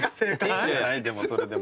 いいんじゃないそれでも。